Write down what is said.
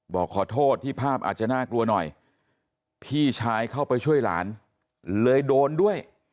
บอกขอโทษที่ภาพอาจจะน่ากลัวหน่อยพี่ชายเข้าไปช่วยหลานเลยโดนด้วย